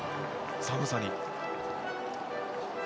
寒さに。